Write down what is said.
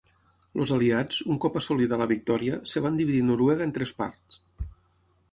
Els aliats, un cop assolida la victòria, es van dividir Noruega en tres parts.